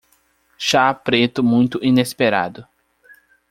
Chá preto muito inesperado